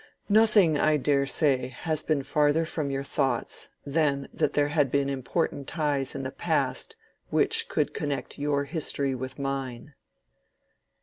Nothing, I dare say, has been farther from your thoughts than that there had been important ties in the past which could connect your history with mine."